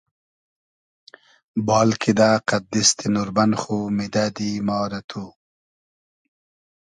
بال کیدۂ قئد دیستی نوربئن خو میدئدی ما رۂ تو